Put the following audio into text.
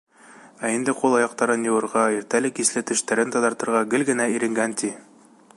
Ә инде ҡул-аяҡтарын йыуырға, иртәле-кисле тештәрен таҙартырға гел генә иренгән, ти.